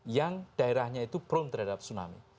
yang daerahnya itu from terhadap tsunami